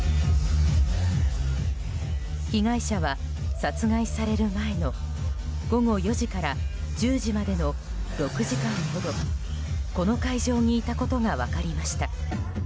被害者は、殺害される前の午後４時から１０時までの６時間ほどこの会場にいたことが分かりました。